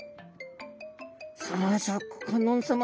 さあシャーク香音さま